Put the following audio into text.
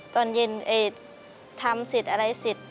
ตอนเย็นทำสิทธิ์อะไรสิทธิ์